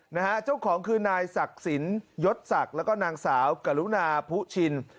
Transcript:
นะฮะเจ้าของคือนายศักดิ์สินยศศักดิ์แล้วก็นางสาวกรุณาผู้ชิน